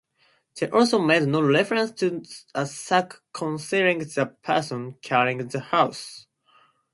They also made no reference to a sack concealing the person carrying the horse.